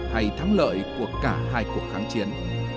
hay thắng lợi của cả hai cuộc kháng chiến